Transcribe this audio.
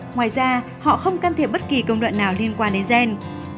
ngoài ra họ không can thiệp bất kỳ công đoạn nào liên quan đến gen